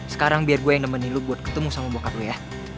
sekarang biar gue yang nemenin lu buat ketemu sama bokat lo ya